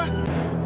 aku juga suka